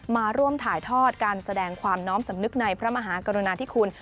มาร่วมถ่ายทอดการแสดงความน้อมสำนึกในพระมหากรุณาธิคุณ